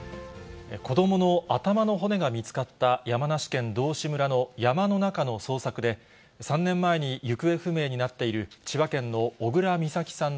子どもの頭の骨が見つかった山梨県道志村の山の中の捜索で、３年前に行方不明になっている千葉県の小倉美咲さん